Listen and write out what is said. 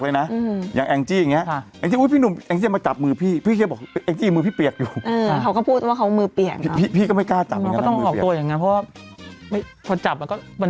แผ่มันน่าจะไม่ได้พี่เวลาจับ